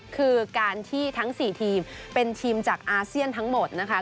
คือการที่ทั้ง๔ทีมเป็นทีมจากอาเซียนทั้งหมดนะคะ